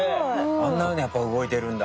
あんなふうにやっぱ動いてるんだ。